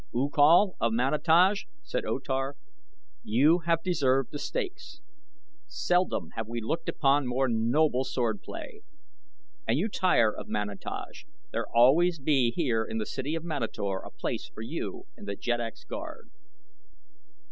"U Kal of Manataj," said O Tar, "you have deserved the stakes. Seldom have we looked upon more noble swordplay. And you tire of Manataj there be always here in the city of Manator a place for you in The Jeddak's Guard."